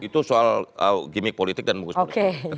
itu soal gimmick politik dan bagus politik